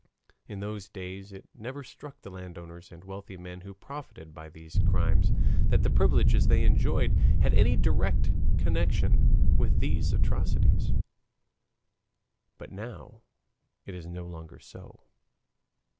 In those days it never struck the landowners and wealthy men who profited by these crimes, that the privileges they enjoyed had any direct connection with these atrocities. But now it is no longer so.